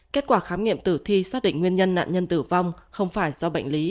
kết quả khám nghiệm tử thi xác định nguyên nhân nạn nhân tử vong không phải do bệnh lý